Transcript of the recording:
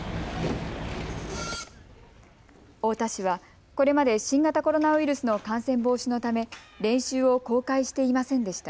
太田市はこれまで新型コロナウイルスの感染防止のため練習を公開していませんでした。